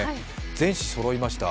全紙そろいました。